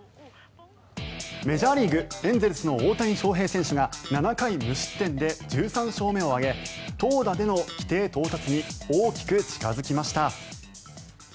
メジャーリーグエンゼルスの大谷翔平選手が７回無失点で１３勝目を挙げ投打での規定到達に大きく近付きました。